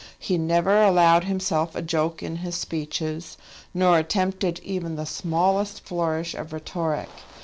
He never allowed himself a joke in his speeches, nor attempted even the smallest flourish of rhetoric.